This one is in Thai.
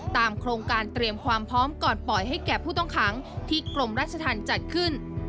โครงการเตรียมความพร้อมก่อนปล่อยให้แก่ผู้ต้องขังที่กรมราชธรรมจัดขึ้น